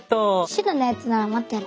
白のやつなら持ってる。